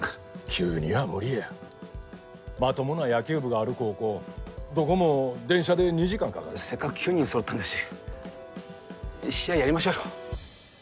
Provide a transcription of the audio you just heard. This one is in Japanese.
急には無理やまともな野球部がある高校どこも電車で２時間かかるせっかく９人揃ったんですし試合やりましょうよ